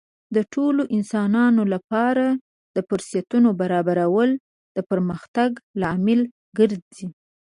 د ټولو انسانانو لپاره د فرصتونو برابرول د پرمختګ لامل ګرځي.